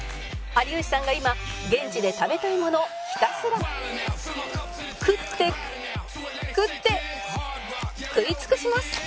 有吉さんが今現地で食べたいものをひたすら食って食って食い尽くします！